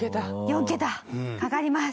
４桁かかります。